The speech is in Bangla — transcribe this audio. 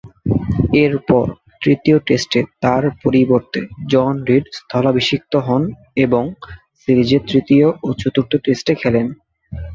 এরপর, তৃতীয় টেস্টে তার পরিবর্তে জন রিড স্থলাভিষিক্ত হন এবং সিরিজের তৃতীয় ও চতুর্থ টেস্টে খেলেন।